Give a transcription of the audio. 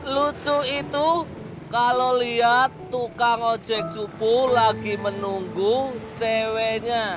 lucu itu kalau lihat tukang ojek cupu lagi menunggu ceweknya